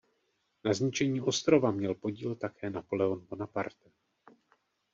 Na zničení ostrova měl podíl také Napoleon Bonaparte.